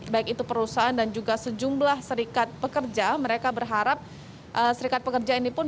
baik itu perusahaan dan juga sejumlah serikat pekerja mereka berharap serikat pekerja ini pun